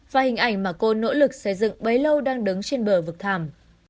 và hình ảnh mà cô nỗ lực xây dựng bấy lâu đang đứng trên bờ vực thàm